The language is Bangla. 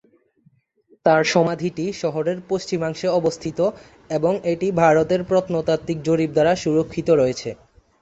তার সমাধিটি শহরের পশ্চিমাংশে অবস্থিত এবং এটি ভারতের প্রত্নতাত্ত্বিক জরিপ দ্বারা সুরক্ষিত রয়েছে।